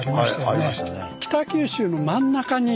はいありましたね。